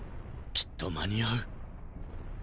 きっと間に合う。